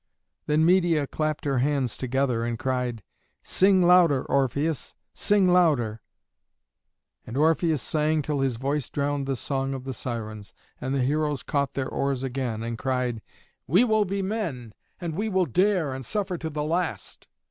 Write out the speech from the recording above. Then Medeia clapped her hands together and cried, "Sing louder, Orpheus, sing louder." And Orpheus sang till his voice drowned the song of the Sirens, and the heroes caught their oars again and cried, "We will be men, and we will dare and suffer to the last."